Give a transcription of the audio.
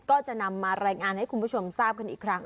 ก็จะนำมารายงานให้คุณผู้ชมทราบกันอีกครั้ง